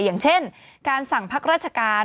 อย่างเช่นการสั่งพักราชการ